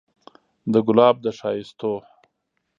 د ګلاب د ښايستو